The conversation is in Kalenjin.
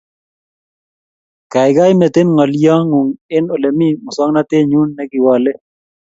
Kaigai mete ng'alyo ng'ung' eng ole mii msowognatet nyuu ne kiwalee